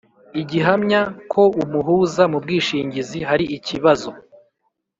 igihamya ko umuhuza mu bwishingizi hari ikibazo